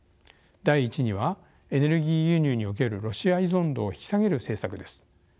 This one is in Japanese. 第１にはエネルギー輸入におけるロシア依存度を引き下げる政策です。